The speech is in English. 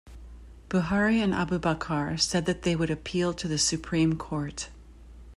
Buhari and Abubakar said that they would appeal to the Supreme Court.